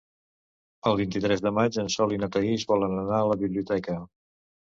El vint-i-tres de maig en Sol i na Thaís volen anar a la biblioteca.